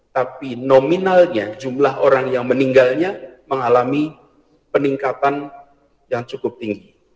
tapi nominalnya jumlah orang yang meninggalnya mengalami peningkatan yang cukup tinggi